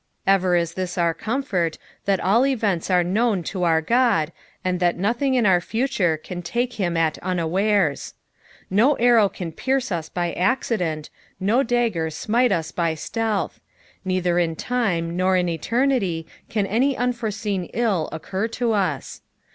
Ever is this our comfort, that all events are known to our Uod, and that nothing in our future can take him at unawares. No arrow can pierce us by accident, no dagger smite us by stealth ; neither in time nor in eternity can any unforefeen ill occur to us.